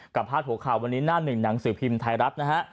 พาดหัวข่าววันนี้หน้าหนึ่งหนังสือพิมพ์ไทยรัฐนะฮะ